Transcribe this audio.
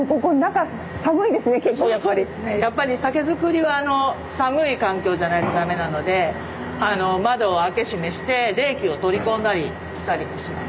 やっぱり酒造りは寒い環境じゃないと駄目なので窓を開け閉めして冷気を取り込んだりしたりもします。